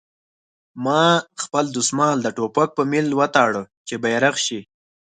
ما خپل دسمال د ټوپک په میل وتاړه چې بیرغ شي